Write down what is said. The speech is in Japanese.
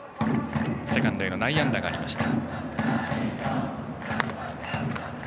セカンドへの内野安打がありました。